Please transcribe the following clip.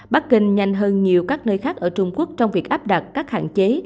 bắc kinh nhanh hơn nhiều các nơi khác ở trung quốc trong việc áp đặt các hạn chế